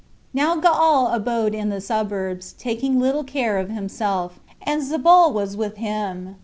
Now Gaal abode in the suburbs, taking little care of himself; and Zebul was with him.